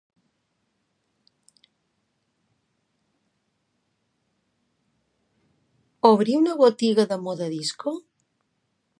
Obrir una botiga de moda disco?